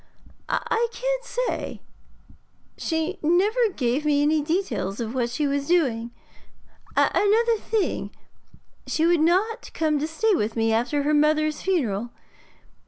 'I can't say. She never gave me any details of what she was doing. Another thing she would not come to stay with me after her mother's funeral.